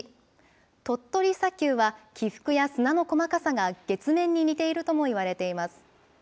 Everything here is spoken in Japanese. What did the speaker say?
鳥取砂丘は、起伏や砂の細かさが月面に似ているともいわれています。